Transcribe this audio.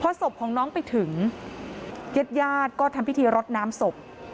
ศพของน้องไปถึงญาติญาติก็ทำพิธีรดน้ำศพ